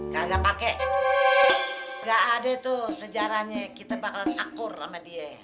gak gak pake gak ada tuh sejarahnya kita bakalan akur sama dia